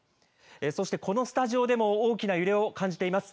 そして、このスタジオでも大きな揺れを感じています。